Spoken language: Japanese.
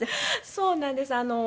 そうなんです。